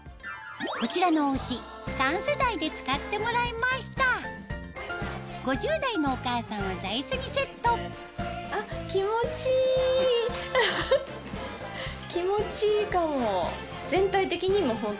こちらのお家三世代で使ってもらいました５０代のお母さんは座椅子にセット気持ちいいかも！